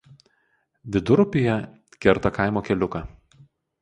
Vidurupyje kerta kaimo keliuką.